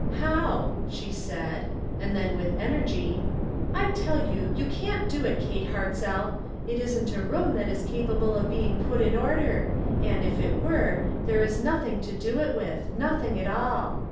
" How ?" she said ; and then, with energy : 191 IQ2 ONE COMMONPLACE DAY. "I tell you, you can't do it, Kate Hartzell. It isn't a room that is capable of being put in order ; and, if it were, there is nothing to do it with — nothing at all.